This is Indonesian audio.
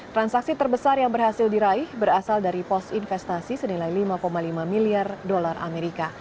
transaksi terbesar yang berhasil diraih berasal dari pos investasi senilai lima lima miliar dolar amerika